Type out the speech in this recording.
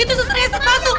itu suternya satu